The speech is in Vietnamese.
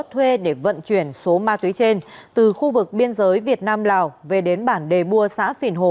thuê để vận chuyển số ma túy trên từ khu vực biên giới việt nam lào về đến bản đề bua xã phìn hồ